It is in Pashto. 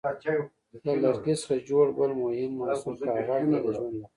له لرګي څخه جوړ بل مهم محصول کاغذ دی د ژوند لپاره.